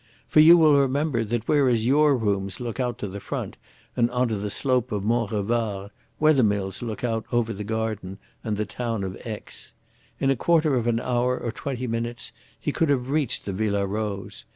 For you will remember that whereas your rooms look out to the front and on to the slope of Mont Revard, Wethermill's look out over the garden and the town of Aix. In a quarter of an hour or twenty minutes he could have reached the Villa Rose.